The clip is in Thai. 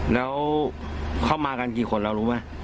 แล้วเข้ามากันกี่คนเรารู้ไหม